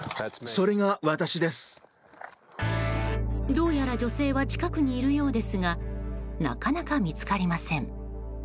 どうやら女性は近くにいるようですがなかなか見つかりません。